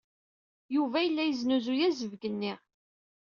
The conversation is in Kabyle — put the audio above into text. Yuba yella yesnuzuy azebg-nni.